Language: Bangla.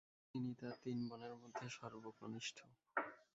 তিনি তার তিন বোনের মধ্যে সর্বকনিষ্ঠ।